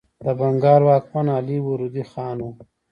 د بنګال واکمن علي وردي خان و.